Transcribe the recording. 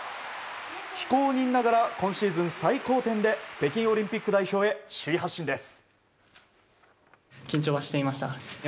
非公認ながら今シーズン最高点で北京オリンピック代表へ首位発進です。